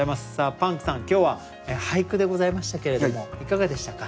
パンクさん今日は俳句でございましたけれどもいかがでしたか？